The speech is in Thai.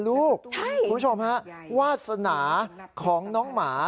คุณผู้ชมฮะวาสนาของน้องหมา